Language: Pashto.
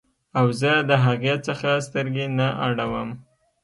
او زه د هغې څخه سترګې نه اړوم